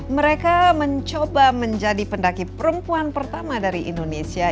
mereka mencoba menjadi pendaki perempuan pertama dari indonesia